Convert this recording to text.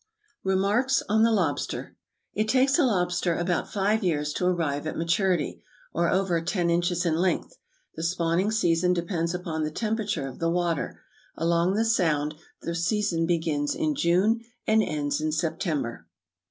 =Remarks on the Lobster.= It takes a lobster about five years to arrive at maturity, or over ten inches in length. The spawning season depends upon the temperature of the water. Along the Sound, the season begins in June, and ends in September.